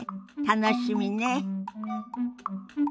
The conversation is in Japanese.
楽しみね。